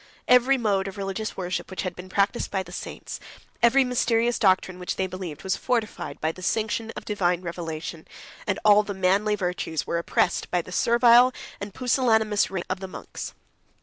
Every mode of religious worship which had been practised by the saints, every mysterious doctrine which they believed, was fortified by the sanction of divine revelation, and all the manly virtues were oppressed by the servile and pusillanimous reign of the monks.